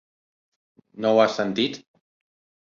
No ho has sentit?